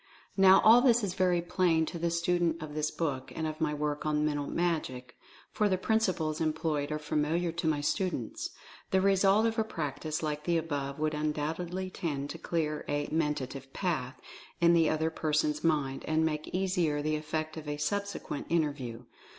Now, all this is very plain to the student of this book, and of my work on "Mental Magic," for the principles employed are familiar to my students. The result of a practice like the above would undoubtedly tend to clear a "mentative path" in the other person's mind, and make easier the effect of a subsequent in terview.